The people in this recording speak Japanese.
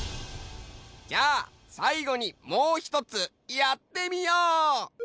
じゃあさいごにもうひとつやってみよう！